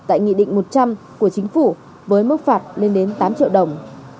tại nghị định một trăm linh của chính phủ với mức phạt lên đến tám triệu đồng